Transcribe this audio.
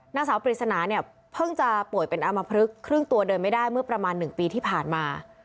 นางสาวปริศนาเนี่ยเพิ่งจะป่วยเป็นอามพลึกครึ่งตัวเดินไม่ได้เมื่อประมาณ๑ปีที่ผ่านมา